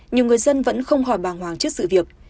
nhiều người dân vẫn không hỏi bàng hoàng trước sự việc